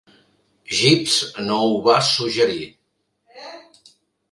Jeeves no ho va suggerir.